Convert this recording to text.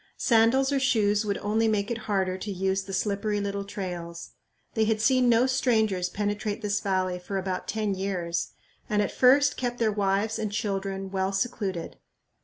Sandals or shoes would only make it harder to use the slippery little trails. They had seen no strangers penetrate this valley for about ten years, and at first kept their wives and children well secluded.